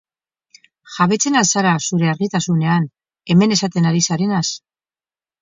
Jabetzen al zara, zure argitasunean, hemen esaten ari zarenaz?